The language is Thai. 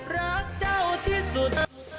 รักเจ้าที่สุด